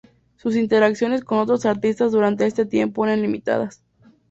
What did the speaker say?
Sus interacciones con otros artistas durante este tiempo eran limitadas.